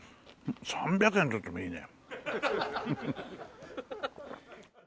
３００円取ってもいいね。